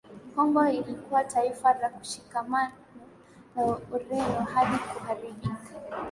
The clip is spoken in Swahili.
Kongo ilikuwa taifa la kushikamana na Ureno hadi kuharibika